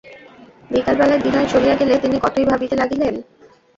বিকালবেলায় বিনয় চলিয়া গেলে তিনি কতই ভাবিতে লাগিলেন।